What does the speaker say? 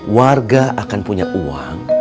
warga akan punya uang